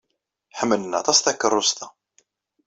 Ḥemmlen aṭas takeṛṛust-a.